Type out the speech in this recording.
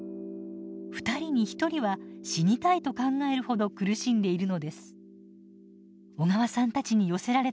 ２人に１人は「死にたい」と考えるほど苦しんでいるのです。